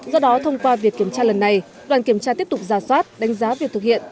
do đó thông qua việc kiểm tra lần này đoàn kiểm tra tiếp tục giả soát đánh giá việc thực hiện